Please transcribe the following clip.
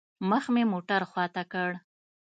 مخ مې موټر خوا ته كړ.